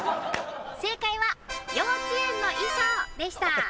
正解は幼稚園の衣装でした！